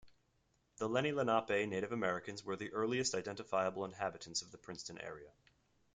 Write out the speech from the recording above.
The Lenni Lenape Native Americans were the earliest identifiable inhabitants of the Princeton area.